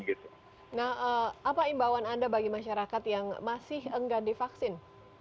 nah apa imbauan anda bagi masyarakat yang masih enggak divaksin